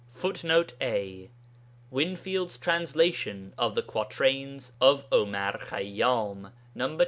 [a] [Footnote a: Whinfield's translation of the quatrains of Omar Khayyám, No.